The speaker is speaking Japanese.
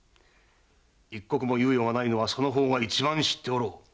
一刻も猶予がないのはその方が一番知っておろう。